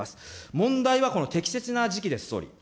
問題はこの適切な時期です、総理。